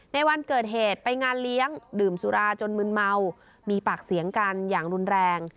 ในวันเกิดเหตุไปงานเลี้ยงดื่มสุราจนมึนเมามีปากเสียงกันอย่างรุนแรง